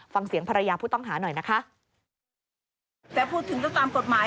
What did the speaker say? ฟังเสียงภรรยาผู้ต้องหาหน่อยนะคะ